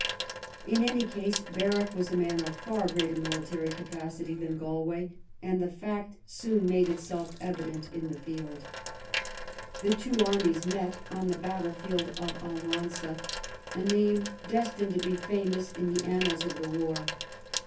In any case, Berwick was a man of far greater mili tary capacity than Galway, and the fact soon made itself evident in the field. The two armies met on the battle field of Almanza, a name destined to be famous in the annals of the war.